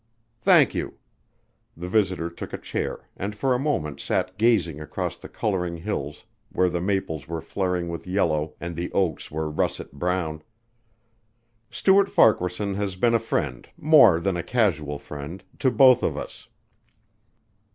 "Thank you." The visitor took a chair and for a moment sat gazing across the coloring hills where the maples were flaring with yellow and the oaks were russet brown. "Stuart Farquaharson has been a friend ... more than a casual friend ... to both of us."